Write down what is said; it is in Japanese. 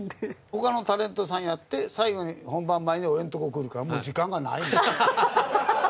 他のタレントさんをやって最後に本番前に俺のとこに来るからもう時間がないのよ。